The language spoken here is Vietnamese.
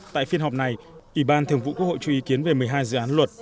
tại phiên họp này ủy ban thường vụ quốc hội cho ý kiến về một mươi hai dự án luật